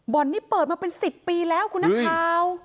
นี้เปิดมาเป็น๑๐ปีแล้วคุณนักข่าว